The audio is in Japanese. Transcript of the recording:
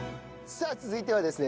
さあ続いてはですね